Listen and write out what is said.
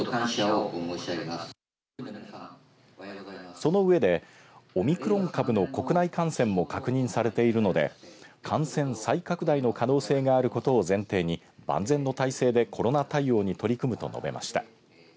その上でオミクロン株の国内感染も確認されているので感染再拡大の可能性があることを前提に万全の体制でコロナ対応に取り組むと述べました。